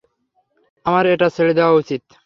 আমার এটা ছেড়ে দেয়া উচিত।